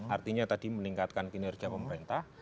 artinya tadi meningkatkan kinerja pemerintah